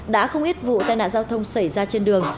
đã không ít vụ tai nạn giao thông xảy ra trên đường